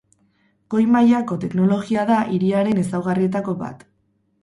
Goi-mailako teknologia da hiriaren ezaugarrietako bat.